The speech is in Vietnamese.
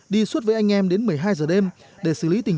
đi suốt với anh em đến một mươi hai giờ đêm để xử lý tình